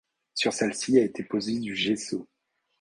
Sur celle-ci a été posé du gesso.